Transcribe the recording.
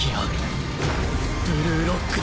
ブルーロックで